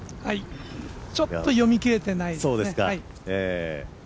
ちょっと読み切れていないですね。